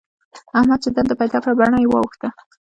احمد چې دنده پيدا کړه؛ بڼه يې واوښته.